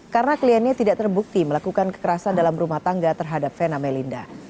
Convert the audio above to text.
karena kliennya tidak terbukti melakukan kekerasan dalam rumah tangga terhadap fena melinda